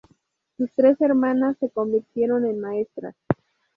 Sus tres hermanas se convirtieron en maestras.